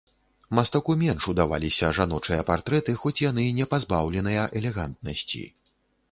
Мастаку менш удаваліся жаночыя партрэты, хоць яны не пазбаўленыя элегантнасці.